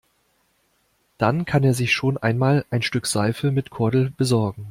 Dann kann er sich schon einmal ein Stück Seife mit Kordel besorgen.